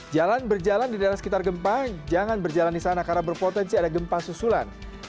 jalan berjalan di daerah sekitar gempa jangan berjalan di sana karena berpotensi ada gempa susulan